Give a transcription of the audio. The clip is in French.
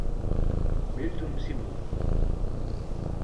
Milton Simon.